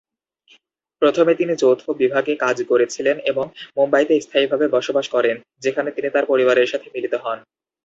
প্রথমে, তিনি যৌথ বিভাগে কাজ করেছিলেন এবং মুম্বাইতে স্থায়ীভাবে বসবাস করেন, যেখানে তিনি তার পরিবারের সাথে মিলিত হন।